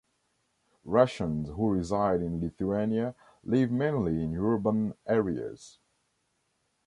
Russians who reside in Lithuania live mainly in urban areas.